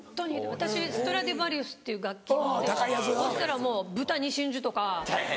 私ストラディバリウスっていう楽器持ってるんですけどそしたらもう「豚に真珠」とか。